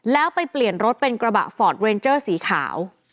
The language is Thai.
แล้วไปเปลี่ยนรถเป็นกระบะฟอร์ดเรนเจอร์สีขาว